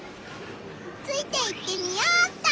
ついていってみようっと！